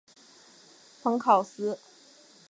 蓬考斯。